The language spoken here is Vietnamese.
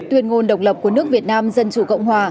tuyên ngôn độc lập của nước việt nam dân chủ cộng hòa